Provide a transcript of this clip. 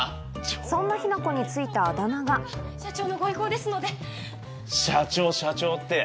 そんな雛子に付いたあだ名が社長のご意向ですので。